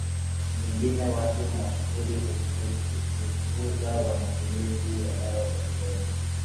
nyingine watu mashuhuri hutukuza matumizi ya dawa za kulevya